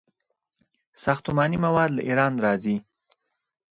ساختماني مواد له ایران راځي.